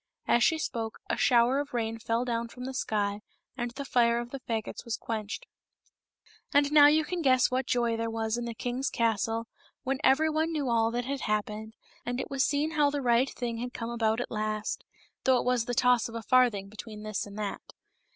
As she spoke a shower of rain fell down from the sky, and the fire of the fagots was quenched. And now you can guess what joy there was in the king's castle when every one knew all that had happened, and it was seen how the right thing had come about at last, though it was the toss of a farthing betwixt this and that.